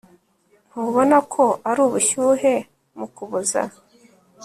ntubona ko ari ubushyuhe mu kuboza